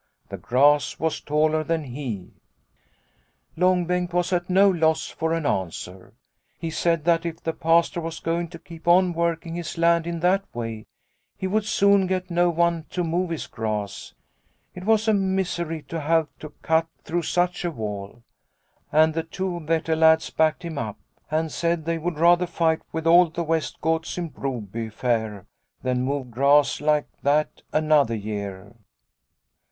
The grass was taller than he. " Long Bengt was at no loss for an answer. He said that if the Pastor was going to keep on working his land in that way, he would soon get no one to mow his grass. It was a misery 44 Liliecrona's Home to have to cut through such a wall. And the two Vetter lads backed him up and said they would rather fight with all the West Goths in Broby fair than mow grass like that another year.